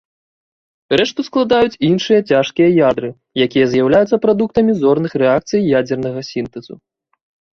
Рэшту складаюць іншыя цяжкія ядры, якія з'яўляюцца прадуктамі зорных рэакцый ядзернага сінтэзу.